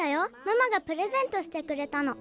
ママがプレゼントしてくれたの。